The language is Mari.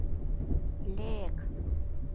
— Ле-ек!